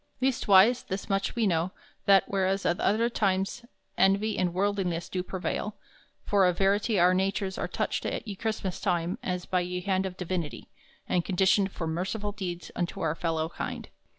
Leastwise, this moche we know, that, whereas at other times envy and worldliness do prevail, for a verity our natures are toched at ye Chrystmass time as by ye hand of divinity, and conditioned for merciful deeds unto our fellow kind.